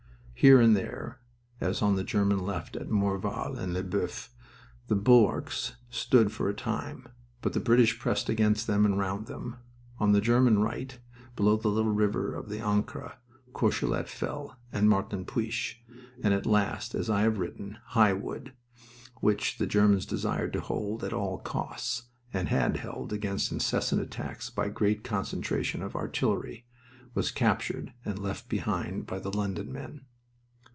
Here and there, as on the German left at Morval and Lesboeufs, the bulwarks stood for a time, but the British pressed against them and round them. On the German right, below the little river of the Ancre, Courcelette fell, and Martinpuich, and at last, as I have written, High Wood, which the Germans desired to hold at all costs, and had held against incessant attacks by great concentration of artillery, was captured and left behind by the London men.